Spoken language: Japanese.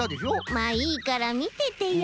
まあいいからみててよ。